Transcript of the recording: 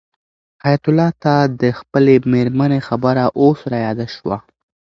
حیات الله ته د خپلې مېرمنې خبره اوس رایاده شوه.